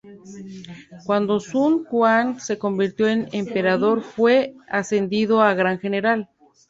Cuando Sun Quan se convirtió en emperador, fue ascendido a gran general.